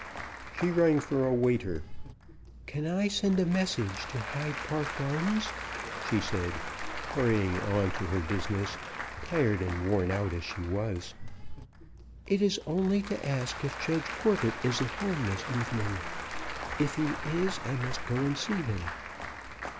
She rang for a waiter. "Can I send a messenger to Hyde Park Gardens?" she said, hurrying on to her business, tired and worn out as she was. "It is only to ask if Judge Corbet is at home this evening. If he is, I must go and see him."